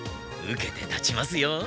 受けて立ちますよ。